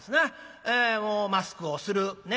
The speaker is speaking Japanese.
マスクをする。ね？